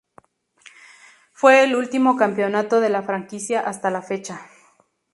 Fue el último campeonato de la franquicia hasta la fecha.